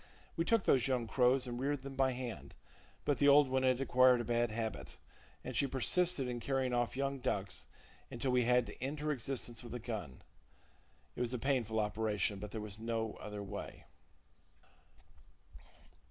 We took those young crows and reared them by hand; but the old one had acquired a bad habit, and she persisted in carrying off young ducks until we had to end her existence with a gun. It was a painful operation, but there was no other way.